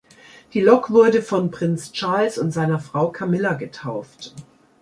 Die Lok wurde von Prinz Charles und seiner Frau Camilla getauft.